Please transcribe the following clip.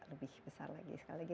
lebih besar lagi